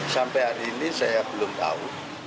sampai hari ini saya belum tahu